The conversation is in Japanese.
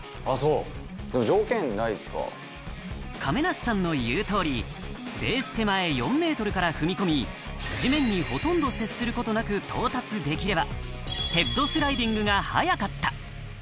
亀梨さんの言う通り、ベース手前４ｍから踏み込み、地面にほとんど接することなく到達できれば、ヘッドスライディングが速かった。